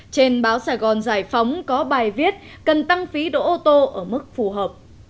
trên báo sài gòn giải phóng có bài viết cần tăng phí đỗ ô tô ở mức phù hợp